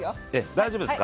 大丈夫ですか？